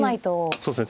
そうですね。